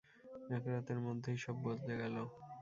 একরাতের মধ্যেই সব বদলে গেলো।